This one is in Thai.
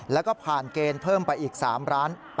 แล้วก็ผ่านเกณฑ์เพิ่มไปอีก๓๘๐๐๐๐๐ดร